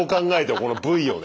このＶをね